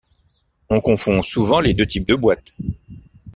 On confond souvent les deux types de boîtes.